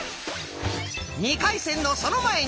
２回戦のその前に！